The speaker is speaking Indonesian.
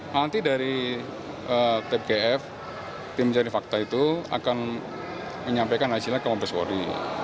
nanti dari tgf tim mencari fakta itu akan menyampaikan hasilnya ke mabes polri